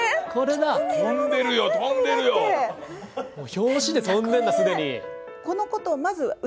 表紙で飛んでんだ既に。